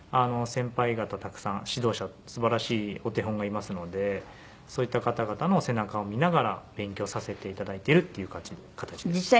先輩方たくさん指導者すばらしいお手本がいますのでそういった方々の背中を見ながら勉強させて頂いてるっていう形です。